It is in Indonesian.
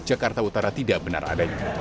jakarta utara tidak benar adanya